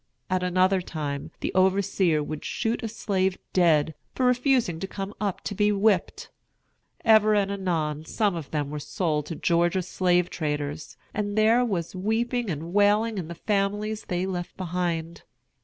At another time, the overseer would shoot a slave dead for refusing to come up to be whipped. Ever and anon some of them were sold to Georgia slave traders, and there was weeping and wailing in the families they left behind.